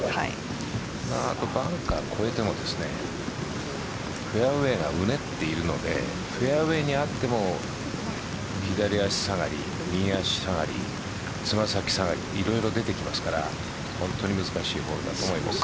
バンカーを越えてもフェアウエーがうねっているのでフェアウエーにあっても左足下がり右足下がり爪先下がりいろいろ出てきますから本当に難しいホールだと思います。